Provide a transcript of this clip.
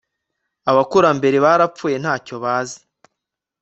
abakurambere barapfuye nta cyo bazi